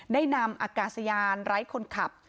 ได้นำอากาศยานไร้คนขับ